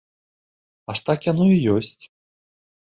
Аж так яно і ёсць.